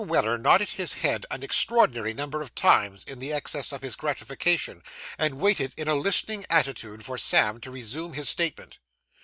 Weller nodded his head an extraordinary number of times, in the excess of his gratification, and waited in a listening attitude for Sam to resume his statement.